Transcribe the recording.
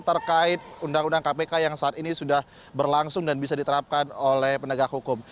terkait undang undang kpk yang saat ini sudah berlangsung dan bisa diterapkan oleh penegak hukum